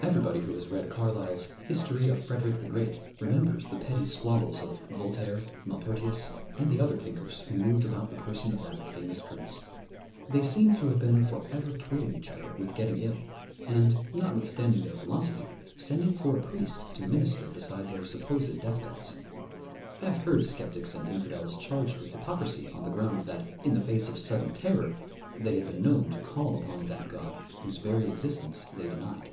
Everybody who has read Carlyle's History of Frederick the Great remembers the petty squabbles of Voltaire, Maupertius, and the other thinkers who moved about the person of that famous prince. They seemed to have been for ever twitting each other with getting ill, and, notwithstanding their philosophy, sending for a priest to minister beside their supposed deathbeds. I have heard sceptics and infidels charged with hypocrisy on the ground that, in the face of sudden terror, they had been known to call upon that God whose very existence they denied.